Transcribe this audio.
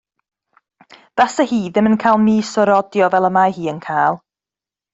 Fase hi ddim yn cael mis o rodio fel mae hi yn cael.